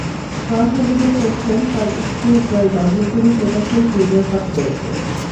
Trump অভিযোগ করছেন, তাঁর স্ত্রীর প্রায় নগ্ন ছবি প্রকাশে ক্রুজের হাত রয়েছে।